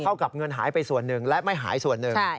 กับเงินหายไปส่วนหนึ่งและไม่หายส่วนหนึ่ง